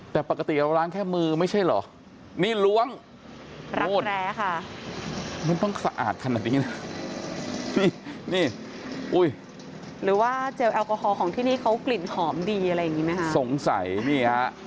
แต่ปกติเราล้างแค่มือไม่ใช่เหรอนี่ล้วงล้างแคร้ค่ะมันต้องสะอาดขนาดนี้นะนี่อุ้ยหรือว่าเจลแอลกอฮอลของที่นี่เขากลิ่นหอมดีอะไรอย่างนี้ไหมคะสงสัยนี่ฮะ